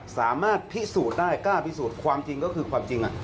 สามารถพิสูจน์ได้กล้าพิสูจน์ความจริงก็คือความจริง